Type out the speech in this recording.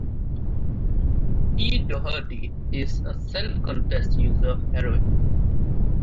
Pete Doherty is also a self-confessed user of heroin.